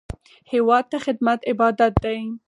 هېواد ته خدمت عبادت دی